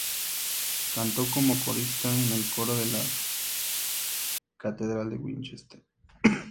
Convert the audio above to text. Cantó como corista en el coro de la Catedral de Winchester.